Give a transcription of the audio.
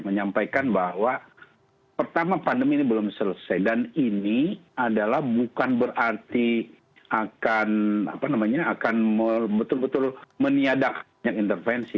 menyampaikan bahwa pertama pandemi ini belum selesai dan ini adalah bukan berarti akan betul betul meniadakan intervensi